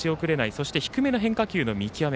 そして低めの変化球の見極め。